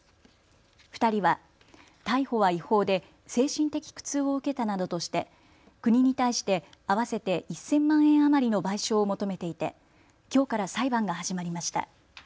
２人は逮捕は違法で精神的苦痛を受けたなどとして国に対して合わせて１０００万円余りの賠償を求めていてきょうから裁判が始まりました。